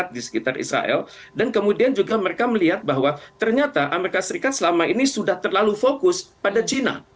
jadi mereka melihat bahwa mereka sudah terlalu fokus pada china